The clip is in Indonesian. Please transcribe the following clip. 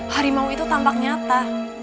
harimau itu tampak nyata